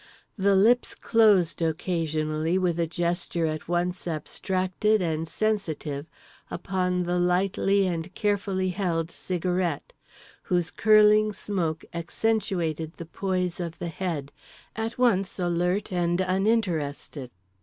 The lips closed occasionally with a gesture at once abstracted and sensitive upon the lightly and carefully held cigarette; whose curling smoke accentuated the poise of the head, at once alert and uninterested.